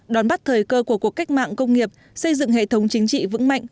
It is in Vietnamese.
đón bắt thời cơ của cuộc cách mạng công nghiệp xây dựng hệ thống chính trị vững mạnh